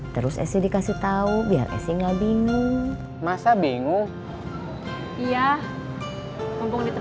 terus esy dikasih tahu biar esing gak bingung masa bingung iya mumpung ditrapir